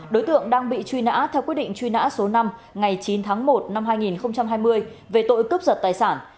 đối tượng đang bị truy nã theo quyết định truy nã số năm ngày chín tháng một năm hai nghìn hai mươi về tội cướp giật tài sản